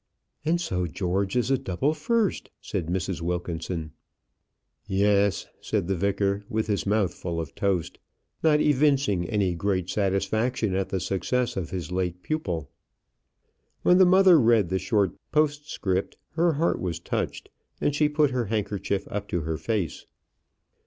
"And so George is a double first," said Mrs. Wilkinson. "Yes," said the vicar, with his mouth full of toast; not evincing any great satisfaction at the success of his late pupil. When the mother read the short postscript her heart was touched, and she put her handkerchief up to her face.